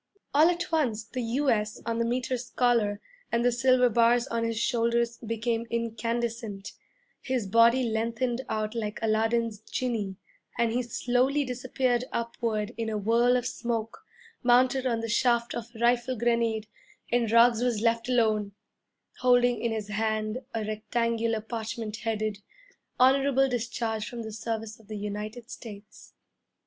All at once the 'U.S.' on the Meter's collar and the silver bars on his shoulders became incandescent, his body lengthened out like Aladdin's genie, and he slowly disappeared upward in a whirl of smoke, mounted on the shaft of a rifle grenade and Ruggs was left alone, holding in his hand a rectangular parchment headed, 'Honorable Discharge from the service of the United States.'